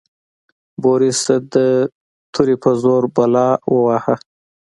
بوریس د تورې په زور بلا وواهه.